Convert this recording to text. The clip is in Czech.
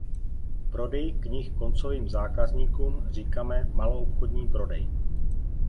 Prodeji knih koncovým zákazníkům říkáme maloobchodní prodej.